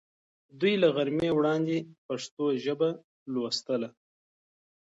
دوی له غرمې وړاندې پښتو ژبه لوستله.